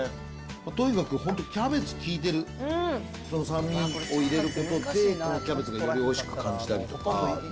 とにかく本当、キャベツ効いてる、酸味を入れることで、春キャベツがよりおいしく感じるとか。